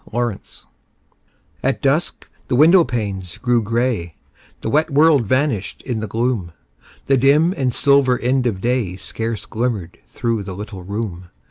FORGIVENESS At dusk the window panes grew grey; The wet world vanished in the gloom; The dim and silver end of day Scarce glimmered through the little room.